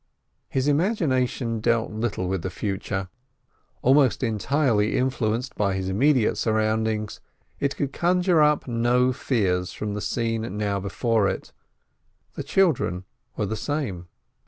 His imagination dealt little with the future; almost entirely influenced by his immediate surroundings, it could conjure up no fears from the scene now before it. The children were the same.